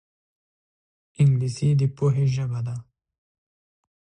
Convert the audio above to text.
انګلیسي د پوهې ژبه ده